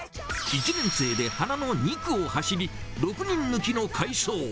１年生で花の２区を走り、６人抜きの快走。